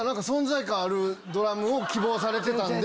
存在感あるドラムを希望されてた。